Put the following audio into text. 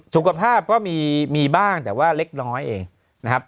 สุขภาพก็มีบ้างแต่ว่าเล็กน้อยเองนะครับ